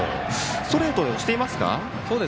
ストレートで押していますか？